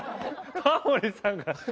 タモリさんが。